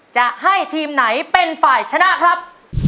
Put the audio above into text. จะให้ทีมไหนเป็นฝ่ายชนะครับ